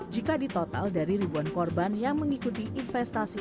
jika ditotal dari ribuan korban yang mengikuti investasi